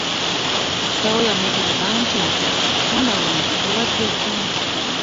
Kitaawe yamubuuza nti, “Mwana wange obadde ki?''